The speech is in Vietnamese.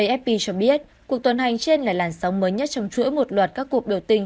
ifp cho biết cuộc tuần hành trên là làn sóng mới nhất trong chuỗi một loạt các cuộc biểu tình